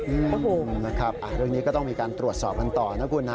อืมนะครับเรื่องนี้ก็ต้องมีการตรวจสอบกันต่อนะคุณนะ